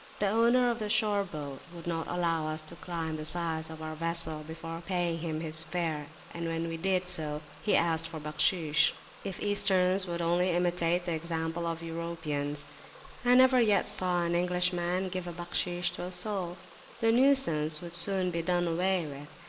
The owner of the shore boat would not allow us to climb the sides of our vessel before paying him his fare, and when we did so, he asked for Bakhshish. If Easterns would only imitate the example of Europeans, I never yet saw an Englishman give Bakhshish to a soul, the nuisance would soon be done away with.